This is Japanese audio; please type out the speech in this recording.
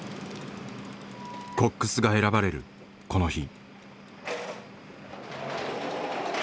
コックスが選ばれるこの日。